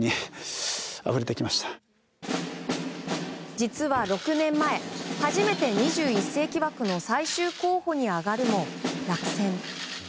実は６年前初めて２１世紀枠の最終候補に挙がるも落選。